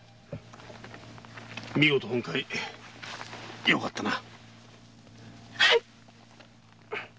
みごと本懐よかったな。